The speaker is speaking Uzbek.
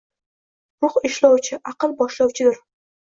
Ruh ishlovchi, aql boshlovchidur